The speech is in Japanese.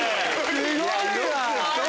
すごいわ！